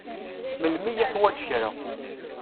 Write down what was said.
Melmi i yuḥwaǧ kra.